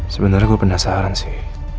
sebenernya gue penasaran sih